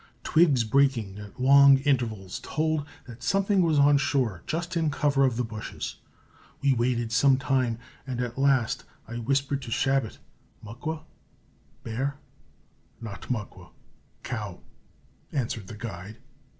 Twigs breaking at long intervals told that something was on shore just in cover of the bushes. We waited some time and at last I whispered to Chabot, "Muckwa?" (bear). "Not muckwa cow," answered the guide.